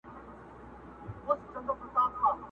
په دې ښار كي يې جوړ كړى يو ميدان وو!.